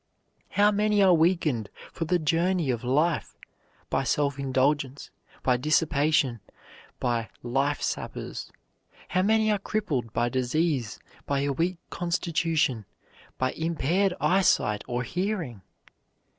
How many are weakened for the journey of life by self indulgence, by dissipation, by "life sappers"; how many are crippled by disease, by a weak constitution, by impaired eyesight or hearing?